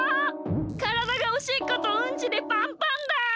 からだがおしっことうんちでパンパンだ！